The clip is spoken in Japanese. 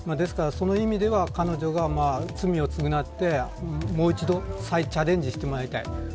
ですから、その意味では彼女が罪を償ってもう一度再チャレンジしてもらいたい。